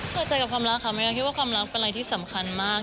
พอใจกับความรักค่ะไม่รักคิดว่าความรักเป็นอะไรที่สำคัญมาก